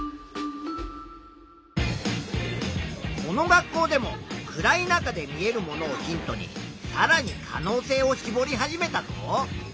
この学校でも暗い中で見えるものをヒントにさらに可能性をしぼり始めたぞ。